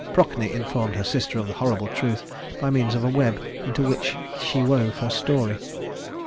Procne informed her sister of the horrible truth by means of a web into which she wove her story.